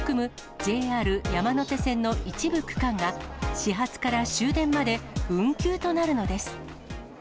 ＪＲ山手線の一部区間が、始発から終電まで運休となるのです。